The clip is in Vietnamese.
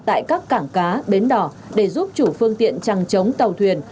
tại các cảng cá bến đỏ để giúp chủ phương tiện trăng chống tàu thuyền